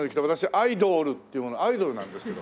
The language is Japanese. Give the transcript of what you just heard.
アイドールっていう者アイドルなんですけど。